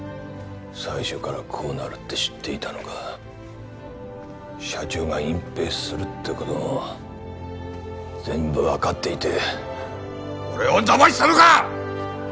最初からこうなるって知っていたのか社長が隠蔽するってことも全部分かっていて俺をだましたのか！